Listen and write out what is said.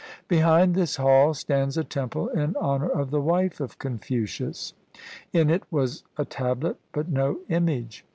Behind this hall stands a temple in honor of the wife of Confucius. In it was a tablet, but no image.